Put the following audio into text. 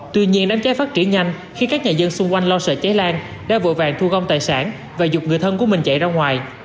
tuy nhiên đám cháy phát triển nhanh khi các nhà dân xung quanh lo sợ cháy lan đã vội vàng thu gom tài sản và dục người thân của mình chạy ra ngoài